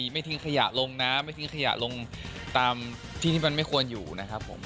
ไม่ทิ้งขยะลงน้ำไม่ทิ้งขยะลงตามที่ที่มันไม่ควรอยู่นะครับผม